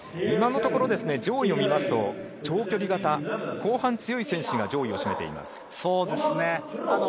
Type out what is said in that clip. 今のところ上位を見ますと長距離型、後半強い選手が上位を占めています。